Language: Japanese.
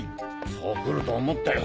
そう来ると思ったよ